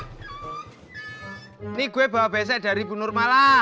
ini gue bawa besek dari ibu nurmala